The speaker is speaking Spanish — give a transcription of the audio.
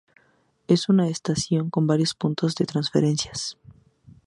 Es una estación con varios puntos de transferencias.